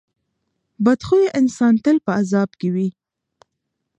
بد خویه انسان تل په عذاب کې وي.